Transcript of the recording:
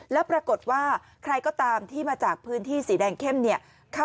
แล้วปรากฏว่าใครก็ตามที่มาจากพื้นที่สีแดงเข้มเนี่ย